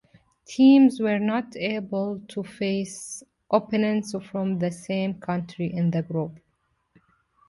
Teams were not able to face opponents from the same country in the group.